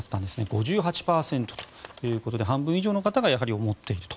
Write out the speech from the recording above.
５８％ということで半分以上の方がやはり思っていると。